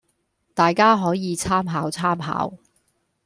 大家可以參考參考